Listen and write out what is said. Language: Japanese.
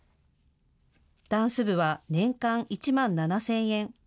ダンス部は年間１万７０００円。